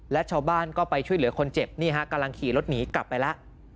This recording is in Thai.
และชาวบ้านก็ไปช่วยเหลือคนเจ็บนี่ฮะกำลังขี่รถหนีกลับไปแล้ว